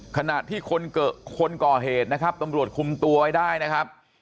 ขณะที่คนก่อเหตุนะครับตำรวจคุมตัวไว้ได้นะครับ